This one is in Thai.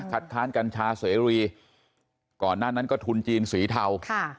ค้านกัญชาเสรีก่อนหน้านั้นก็ทุนจีนสีเทาค่ะ